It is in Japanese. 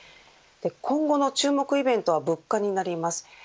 今後の注目イベントは物価になります。